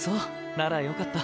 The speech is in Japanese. ならよかった。